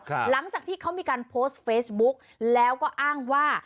หลังจากที่เขามีการโพสต์เฟซบุ๊กแล้วก็อ้างว่า